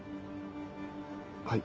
はい。